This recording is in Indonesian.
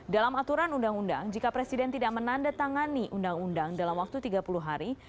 dalam aturan undang undang jika presiden tidak menandatangani undang undang dalam waktu tiga puluh hari